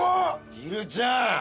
ひるちゃん！